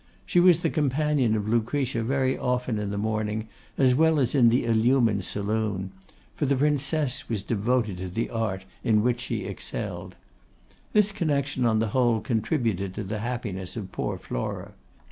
She was the companion of Lucretia very often in the morning as well as in the illumined saloon; for the Princess was devoted to the art in which she excelled. This connexion on the whole contributed to the happiness of poor Flora.